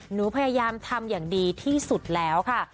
หนูพยายามทำอย่างดีที่สุดแล้วค่ะ